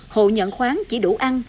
hộ nhận khoáng chỉ đủ ăn